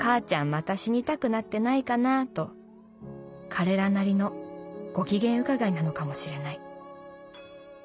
また死にたくなってないかな？と彼らなりのご機嫌伺いなのかもしれない」。